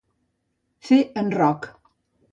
Fer en roc.